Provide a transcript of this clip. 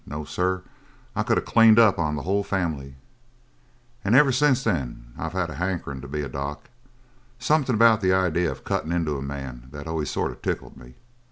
No, sir, I could of cleaned up on the whole family. And ever since then I've had a hankerin' to be a doc. Something about the idea of cuttin' into a man that always sort of tickled me.